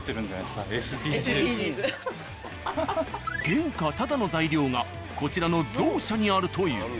原価タダの材料がこちらのゾウ舎にあるという。